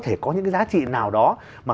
thể có những cái giá trị nào đó mà